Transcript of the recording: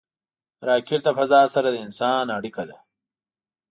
راکټ د فضا سره د انسان اړیکه ده